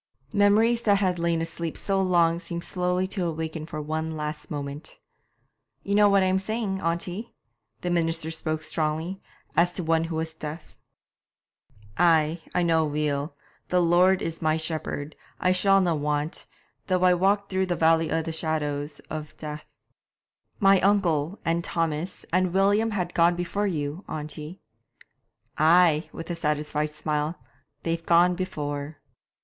Memories that had lain asleep so long seemed slowly to awaken for one last moment. 'You know what I am saying, auntie?' The minister spoke strongly, as to one who was deaf. There was a smile on the handsome old face. 'Ay, I know weel: "The Lord is my Shepherd; I shallna want ... though I walk through the valley o' the shadow of death."' 'My uncle, and Thomas, and William have gone before you, auntie.' 'Ay' with a satisfied smile 'they've gone before.'